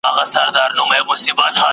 په کورني تدریس کي د ماشوم بریا نه ځنډېږي.